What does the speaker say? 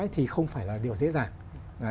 thì không phải là điều dễ dàng